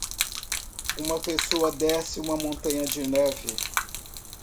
Uma pessoa desce uma montanha de neve.